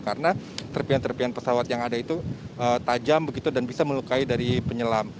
karena serpian serpian pesawat yang ada itu tajam begitu dan bisa melukai dari penyelam